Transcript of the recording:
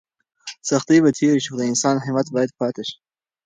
سختۍ به تېرې شي خو د انسان همت باید پاتې شي.